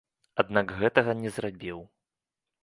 Аднак гэтага не зрабіў.